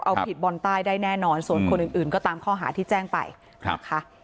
เอาผิดบอลใต้ได้แน่นอนส่วนคนอื่นก็ตามข้อหาที่แจ้งไปนะคะ